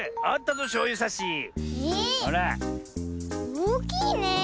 おおきいねえ。